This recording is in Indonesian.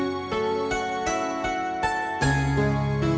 nanti kangen coy malah sakit